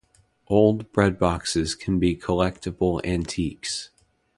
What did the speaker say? Old breadboxes can be collectible antiques.